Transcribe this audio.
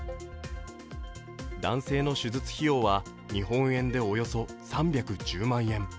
男性の手術費用は、日本円でおよそ３１０万円。